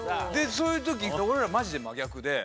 そういう時俺らマジで真逆で。